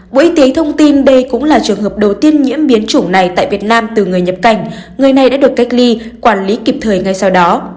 bộ y tế thông tin đây cũng là trường hợp đầu tiên nhiễm biến chủng này tại việt nam từ người nhập cảnh người này đã được cách ly quản lý kịp thời ngay sau đó